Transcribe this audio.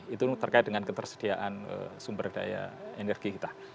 itu terkait dengan ketersediaan sumber daya energi kita